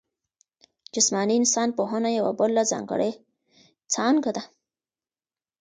جسماني انسان پوهنه یوه بله ځانګړې څانګه ده.